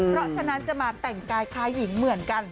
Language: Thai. เพราะฉะนั้นจะมาแต่งกายคล้ายหญิงเหมือนกัน